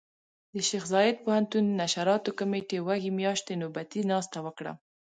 د شيخ زايد پوهنتون نشراتو کمېټې وږي مياشتې نوبتي ناسته وکړه.